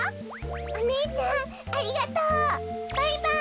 おねえちゃんありがとう。バイバイ。